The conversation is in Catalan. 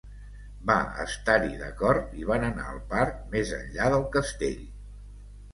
Va estar-hi d'acord i van anar al parc, més enllà del castell.